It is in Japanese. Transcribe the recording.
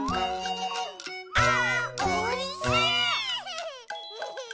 「あーおいしい！」